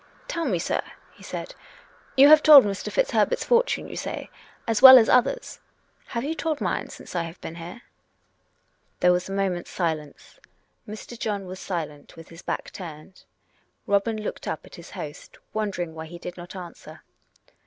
" Tell me, sir," he said. " You have told Mr. FitzHer bert's fortune, you say, as well as others. Have you told mine since I have been here?" There was a moment's silence. Mr. John was silent, with his back turned. Robin looked up at his host, wondering why he did not answer.